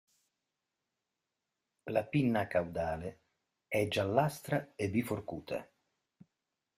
La pinna caudale è giallastra e biforcuta.